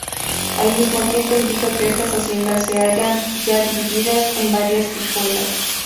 Al mismo tiempo indica que estas haciendas se hallan ya divididas en varias hijuelas.